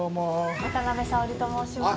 渡辺早織と申します。